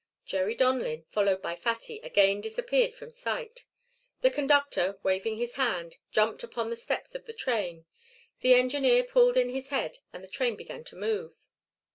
Jerry Donlin, followed by Fatty, again disappeared from sight. The conductor, waving his hand, jumped upon the steps of the train. The engineer pulled in his head and the train began to move.